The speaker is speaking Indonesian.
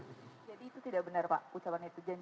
jadi itu tidak benar pak ucapan itu